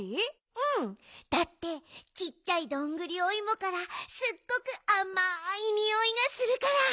うんだってちっちゃいどんぐりおいもからすっごくあまいにおいがするから。